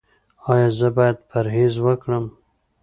ایا زه باید پرهیز وکړم؟